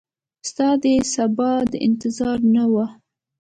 ستا دسبا د انتظار نه وه